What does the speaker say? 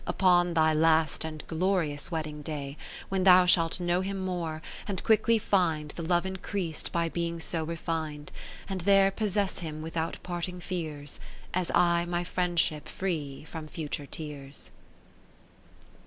Upon thy last and glorious wedding day, When thou shalt know him more, and quickly find The love increas'd by being so refin'd, 80 And there possess him without parting fears. As I my friendship free from future tears.